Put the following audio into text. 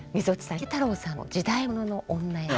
秀太郎さんの時代物の女役は。